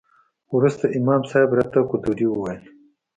وروسته امام صاحب راته قدوري وويل.